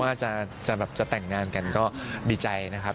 ว่าจะแบบจะแต่งงานกันก็ดีใจนะครับ